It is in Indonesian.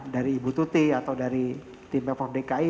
dari ibu tuti atau dari tim pemprov dki